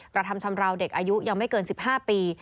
กระทำชำราวเด็กอายุยังไม่เกิน๑๕ปี